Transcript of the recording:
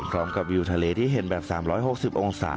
กับวิวทะเลที่เห็นแบบ๓๖๐องศา